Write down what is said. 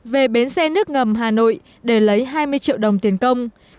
về bến xe nước ngầm hà nội để lấy hai mươi triệu đồng tiền công